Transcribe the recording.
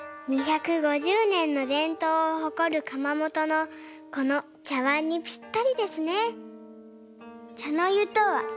２５０ねんのでんとうをほこるかまもとのこのちゃわんにぴったりですね！